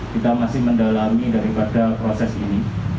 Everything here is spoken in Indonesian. kita masih mendalami daripada proses ini